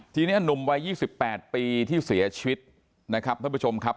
ทีนี้หนุ่มวัย๒๘ปีที่เสียชีวิตนะครับท่านผู้ชมครับ